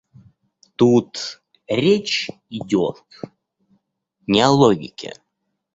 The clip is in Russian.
Тут речь идет не о логике.